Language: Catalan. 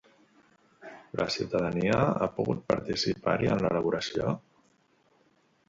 La ciutadania ha pogut participar-hi en l'elaboració?